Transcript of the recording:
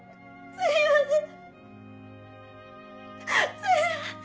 すみません。